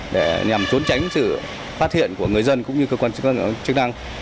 để nhằm trốn tránh sự phát hiện của người dân cũng như cơ quan chức năng